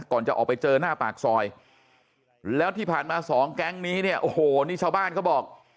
จะออกไปเจอหน้าปากซอยแล้วที่ผ่านมาสองแก๊งนี้เนี่ยโอ้โหนี่ชาวบ้านเขาบอก